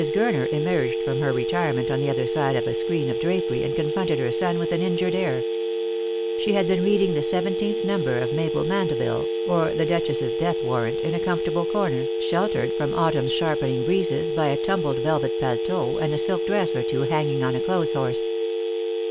Gurner emerged from her retirement on the other side of a screen of drapery, and confronted her son with an injured air. She had been reading the seventeenth number of Mabel Mandeville, or the Duchess's Death Warrant, in a comfortable corner, sheltered from autumn's sharpening breezes by a tumbled velvet paletot and a silk dress or two hanging on a clothes horse.